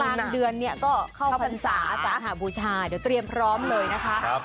กลางเดือนก็เข้าภาษาหาบุญชาเดี๋ยวเตรียมพร้อมเลยนะคะ